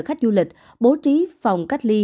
khách du lịch bố trí phòng cách ly